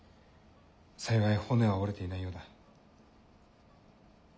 幸い骨は折れていないようだ。